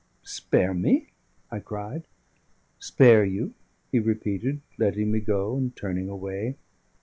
"Spare me?" I cried. "Spare you," he repeated, letting me go and turning away.